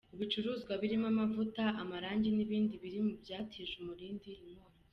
Ibicuruzwa birimo amavuta, amarangi n’ibindi biri mu byatije umurindi inkongi.